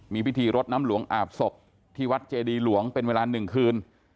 มีพิธีรดน้ำหลวงอาบศพที่วัดเจดีหลวงเป็นเวลา๑คืน